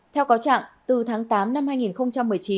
theo cáo trạng từ tháng tám năm hai nghìn chín